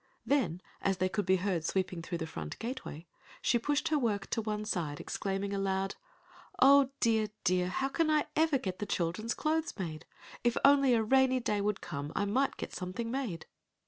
Then, as they could be heard sweeping through the front gateway, she pushed her work to one side exclaiming aloud, "Oh, dear, dear, how can I ever get the children's clothes made! If only a rainy day would come I might get something made."